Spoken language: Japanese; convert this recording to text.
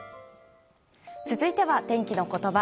続いては、天気のことば。